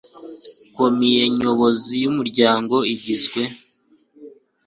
Komiye nyobozi y umuryango igizwe